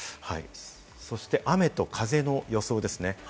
そして雨と風の予想ですね。